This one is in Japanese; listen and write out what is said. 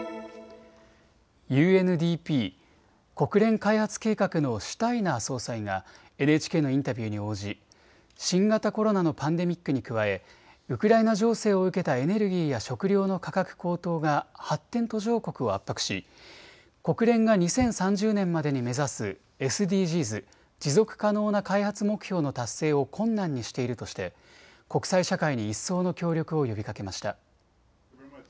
ＵＮＤＰ・国連開発計画のシュタイナー総裁がＮＨＫのインタビューに応じ新型コロナのパンデミックに加えウクライナ情勢を受けたエネルギーや食料の価格高騰が発展途上国を圧迫し国連が２０３０年までに目指すＳＤＧｓ・持続可能な開発目標の達成を困難にしているとして国際社会に一層の協力を呼びかけました。